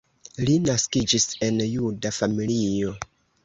Li naskiĝis en juda familio.